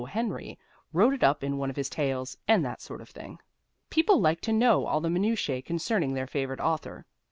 Henry wrote it up in one of his tales, and that sort of thing. People like to know all the minutiæ concerning their favorite author.